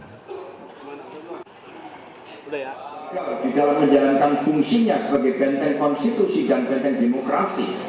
di dalam menjalankan fungsinya sebagai benteng konstitusi dan benteng demokrasi